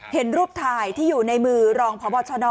เห็นรูปถ่ายที่อยู่ในมือรองพบชน